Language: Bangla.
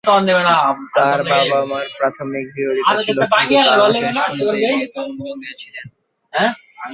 তাঁর বাবা-মার প্রাথমিক বিরোধিতা ছিল, কিন্তু তাঁরা শেষ পর্যন্ত এই বিয়েতে অনুমোদন দিয়েছিলেন।